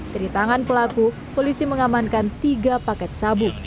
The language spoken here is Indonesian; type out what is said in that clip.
dari tangan pelaku polisi mengamankan tiga paket sabu